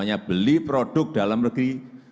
hanya beli produk dalam negeri